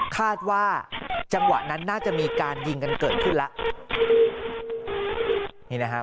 คาดว่าจังหวะนั้นน่าจะมีการยิงกันเกิดขึ้นแล้วนี่นะฮะ